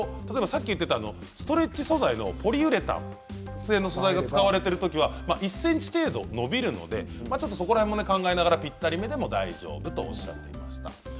さっき言っていたストレッチ素材のポリウレタンの素材が使われているときは１ｃｍ程度伸びるのでそこら辺も考えながらぴったりめでも、大丈夫とおっしゃっていました。